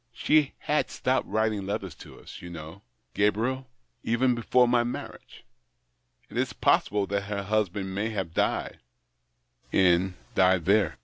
She had stopped writing letters to us, you know, Gabriel, even before my marriage. It is possible that her husband may have died in — died there." THE OCTAVE OF CLAUDIUS.